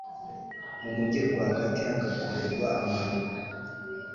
mu mugi rwagati hagakorerwa amahano